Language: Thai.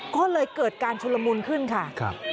ก็เลยเกิดการชุลมุนขึ้นค่ะ